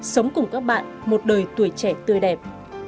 sống cùng các bạn một đời tuổi trẻ tươi đẹp